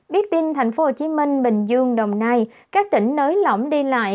biết tin tp hcm bình dương đồng nai các tỉnh nới lỏng đi lại